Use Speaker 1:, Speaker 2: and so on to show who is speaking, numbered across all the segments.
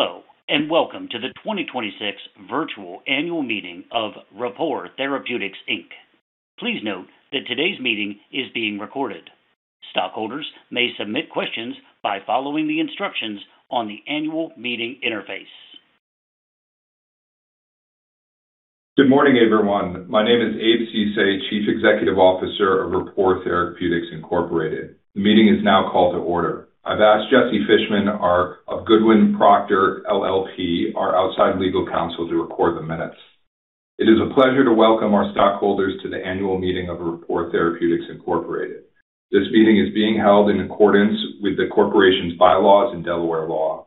Speaker 1: Hello, welcome to the 2026 virtual annual meeting of Rapport Therapeutics, Inc. Please note that today's meeting is being recorded. Stockholders may submit questions by following the instructions on the annual meeting interface.
Speaker 2: Good morning, everyone. My name is Abraham Ceesay, Chief Executive Officer of Rapport Therapeutics Incorporated. The meeting is now called to order. I've asked Jesse Fishman of Goodwin Procter LLP, our outside legal counsel, to record the minutes. It is a pleasure to welcome our stockholders to the annual meeting of Rapport Therapeutics Incorporated. This meeting is being held in accordance with the corporation's bylaws and Delaware law.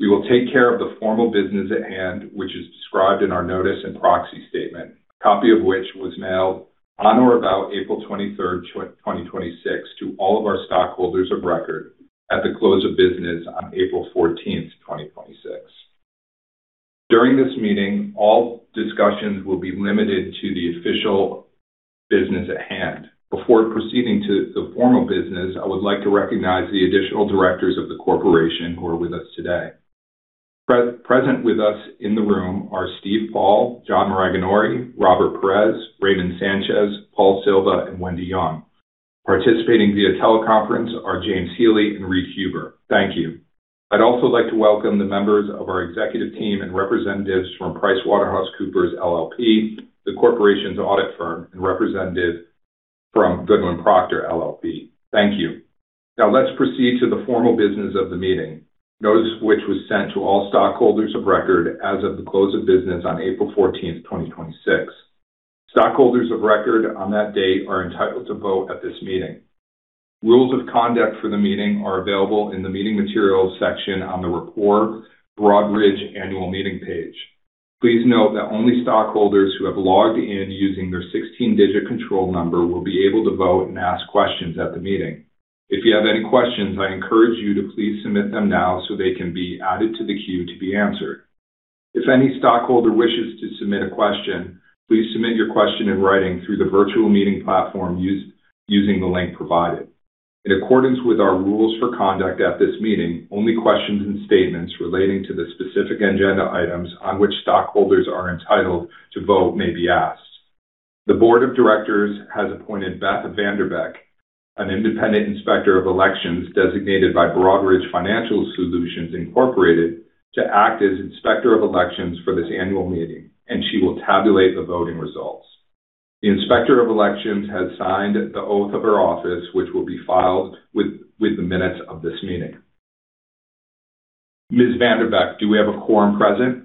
Speaker 2: We will take care of the formal business at hand, which is described in our notice and proxy statement, a copy of which was mailed on or about April 23rd, 2026, to all of our stockholders of record at the close of business on April 14th, 2026. During this meeting, all discussions will be limited to the official business at hand. Before proceeding to the formal business, I would like to recognize the additional directors of the corporation who are with us today. Present with us in the room are Steve Paul, John Maraganore, Robert Perez, Raymond Sanchez, Paul Silva, and Wendy Young. Participating via teleconference are James Healy and Reid Huber. Thank you. I'd also like to welcome the members of our executive team and representatives from PricewaterhouseCoopers LLP, the corporation's audit firm, and representative from Goodwin Procter LLP. Thank you. Let's proceed to the formal business of the meeting. Notice which was sent to all stockholders of record as of the close of business on April fourteenth, 2026. Stockholders of record on that date are entitled to vote at this meeting. Rules of conduct for the meeting are available in the meeting materials section on the Rapport Broadridge annual meeting page. Please note that only stockholders who have logged in using their 16-digit control number will be able to vote and ask questions at the meeting. If you have any questions, I encourage you to please submit them now so they can be added to the queue to be answered. If any stockholder wishes to submit a question, please submit your question in writing through the virtual meeting platform using the link provided. In accordance with our rules for conduct at this meeting, only questions and statements relating to the specific agenda items on which stockholders are entitled to vote may be asked. The board of directors has appointed Beth VanDerbeck, an independent inspector of elections designated by Broadridge Financial Solutions, Inc., to act as inspector of elections for this annual meeting, and she will tabulate the voting results. The inspector of elections has signed the oath of her office, which will be filed with the minutes of this meeting. Ms. VanDerbeck, do we have a quorum present?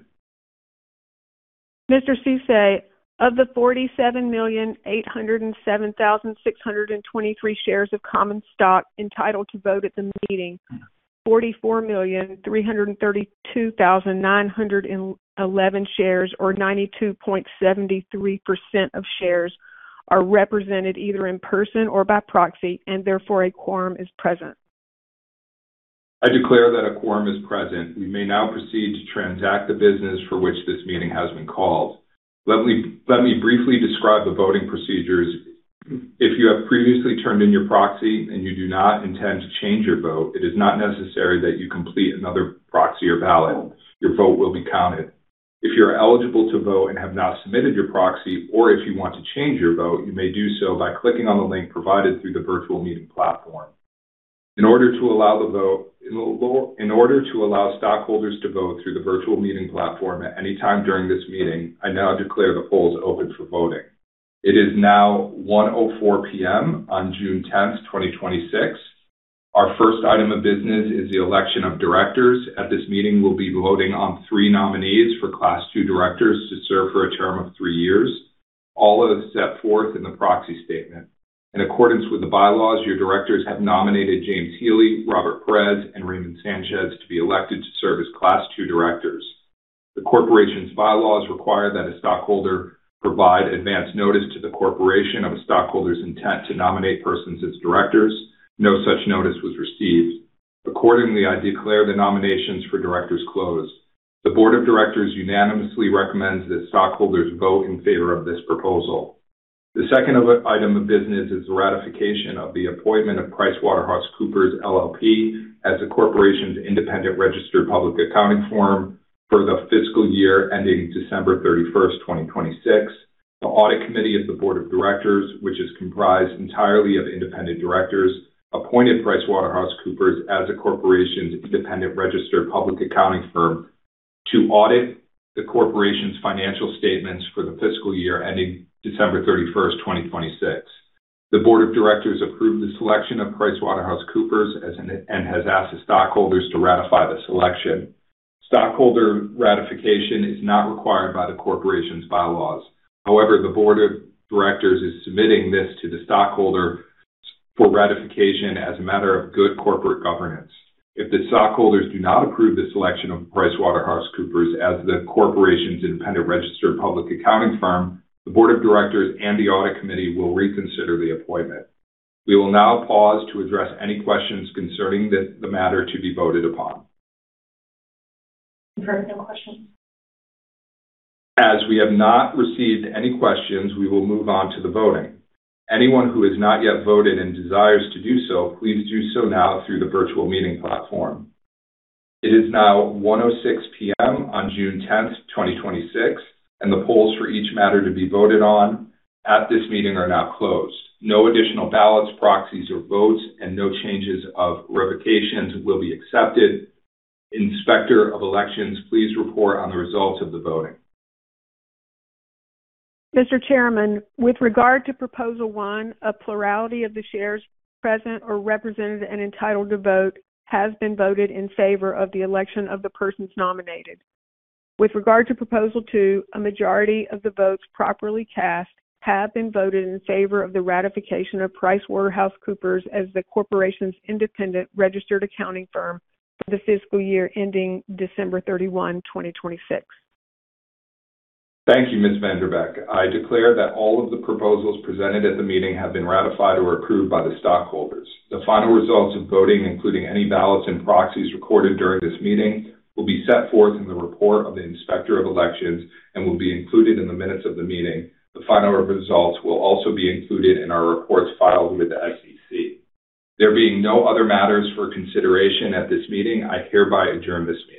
Speaker 3: Mr. Ceesay, of the 47,807,623 shares of common stock entitled to vote at the meeting, 44,332,911 shares, or 92.73% of shares, are represented either in person or by proxy, and therefore a quorum is present.
Speaker 2: I declare that a quorum is present. We may now proceed to transact the business for which this meeting has been called. Let me briefly describe the voting procedures. If you have previously turned in your proxy and you do not intend to change your vote, it is not necessary that you complete another proxy or ballot. Your vote will be counted. If you're eligible to vote and have not submitted your proxy, or if you want to change your vote, you may do so by clicking on the link provided through the virtual meeting platform. In order to allow stockholders to vote through the virtual meeting platform at any time during this meeting, I now declare the polls open for voting. It is now 1:04 P.M. on June 10, 2026. Our first item of business is the election of directors. At this meeting, we'll be voting on three nominees for Class 2 directors to serve for a term of three years, all as set forth in the proxy statement. In accordance with the bylaws, your directors have nominated James Healy, Robert Perez, and Raymond Sanchez to be elected to serve as Class 2 directors. The corporation's bylaws require that a stockholder provide advance notice to the corporation of a stockholder's intent to nominate persons as directors. No such notice was received. Accordingly, I declare the nominations for directors closed. The board of directors unanimously recommends that stockholders vote in favor of this proposal. The second item of business is the ratification of the appointment of PricewaterhouseCoopers LLP as the corporation's independent registered public accounting firm for the fiscal year ending December 31, 2026. The audit committee of the board of directors, which is comprised entirely of independent directors, appointed PricewaterhouseCoopers as the corporation's independent registered public accounting firm to audit the corporation's financial statements for the fiscal year ending December 31st, 2026. The board of directors approved the selection of PricewaterhouseCoopers and has asked the stockholders to ratify the selection. Stockholder ratification is not required by the corporation's bylaws. The board of directors is submitting this to the stockholder for ratification as a matter of good corporate governance. If the stockholders do not approve the selection of PricewaterhouseCoopers as the corporation's independent registered public accounting firm, the board of directors and the audit committee will reconsider the appointment. We will now pause to address any questions concerning the matter to be voted upon.
Speaker 4: I have no questions.
Speaker 2: We have not received any questions, we will move on to the voting. Anyone who has not yet voted and desires to do so, please do so now through the virtual meeting platform. It is now 1:06 P.M. on June 10th, 2026, and the polls for each matter to be voted on at this meeting are now closed. No additional ballots, proxies, or votes, and no changes of revocations will be accepted. Inspector of elections, please report on the results of the voting.
Speaker 3: Mr. Chairman, with regard to Proposal 1, a plurality of the shares present or represented and entitled to vote has been voted in favor of the election of the persons nominated. With regard to Proposal 2, a majority of the votes properly cast have been voted in favor of the ratification of PricewaterhouseCoopers as the corporation's independent registered accounting firm for the fiscal year ending December 31, 2026.
Speaker 2: Thank you, Ms. VanDerbeck. I declare that all of the proposals presented at the meeting have been ratified or approved by the stockholders. The final results of voting, including any ballots and proxies recorded during this meeting, will be set forth in the report of the inspector of elections and will be included in the minutes of the meeting. The final results will also be included in our reports filed with the SEC. There being no other matters for consideration at this meeting, I hereby adjourn this meeting.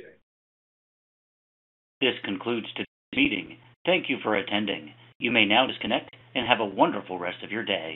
Speaker 1: This concludes today's meeting. Thank you for attending. You may now disconnect and have a wonderful rest of your day.